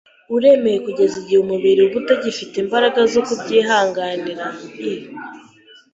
uremereye kugeza igihe umubiri uba utagifite imbaraga zo kubyihanganira. I